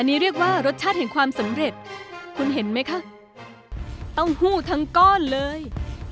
อันนี้เรียกว่ารสชาติแห่งความสำเร็จคุณเห็นไหมคะเต้าหู้ทั้งก้อนเลย